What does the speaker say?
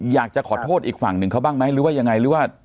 อยากจะขอโทษอีกฝั่งหนึ่งเขาบ้างไหมหรือว่ายังไงหรือว่า